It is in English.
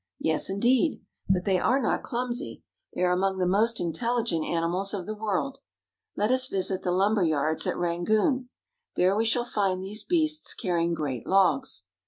Yes, indeed. But they are not clumsy. They are among the most intelli gent animals of the world. Let us visit the lumber yards at Rangoon. There we shall find these beasts carrying great logs.